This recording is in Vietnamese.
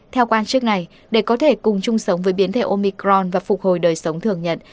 theo quan chức này để có thể cùng chung sống với biến thể omicron và phục hồi đời sống thường nhật